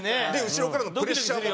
後ろからのプレッシャーも。